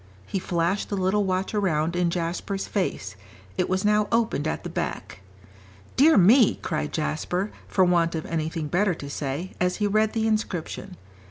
He flashed the little watch around in Jasper's face; it was now opened at the back. "Dear me!" cried Jasper, for want of anything better to say, as he read the inscription.